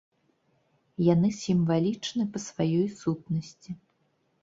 Яны сімвалічны па сваёй сутнасці.